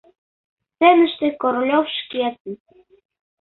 Сценыште Королёв шкетын.